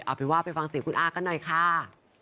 เอาเป็นว่าไปฟังเสียงคุณอากันหน่อยค่ะ